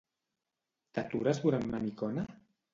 T'atures durant una micona?